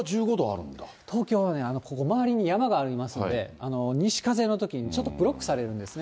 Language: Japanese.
東京はね、ここ、周りに山がありますので、西風のときに、ちょっとブロックされるんですね。